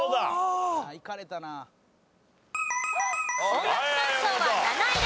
音楽鑑賞は７位です。